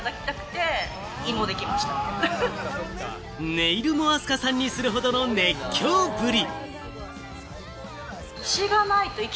ネイルもＡＳＣＡさんにするほどの熱狂ぶり。